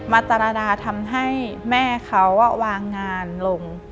ตรดาทำให้แม่เขาวางงานลง